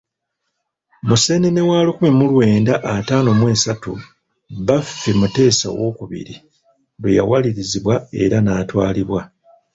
Museenene wa lukumi mu lwenda ataano mu esatu, Bbaffe, Muteesa owookubiri, lwe yawalirizibwa era n'atwalibwa.